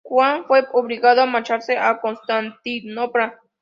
Juan fue obligado a marcharse a Constantinopla.